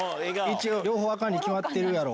「両方はあかんに決まってるやろ！